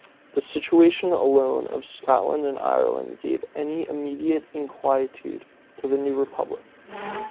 The situation alone of Scotland and Ireland gave any immediate inquietude to the new republic.